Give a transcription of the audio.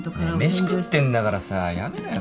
ねえ飯食ってんだからさやめろよ